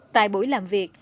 tại buổi làm việc